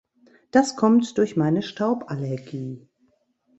Das kommt durch meine Stauballergie.